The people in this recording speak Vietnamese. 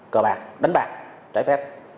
cờ bạc đánh bạc trái phép